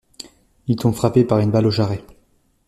Il tombe frappé par une balle au jarret.